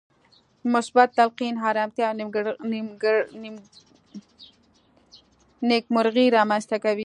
مثبت تلقين ارامتيا او نېکمرغي رامنځته کوي.